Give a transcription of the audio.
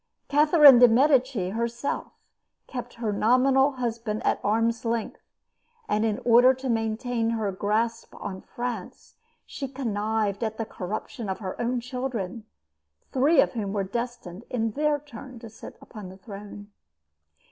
Catherine de' Medici herself kept her nominal husband at arm's length; and in order to maintain her grasp on France she connived at the corruption of her own children, three of whom were destined in their turn to sit upon the throne.